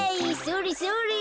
それそれ。